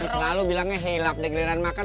lagi selalu bilangnya hilap deh geleran makan